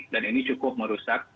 dan ini cukup merusak